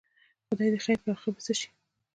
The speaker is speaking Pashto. خدای دې خیر کړي، اخر به څه شي؟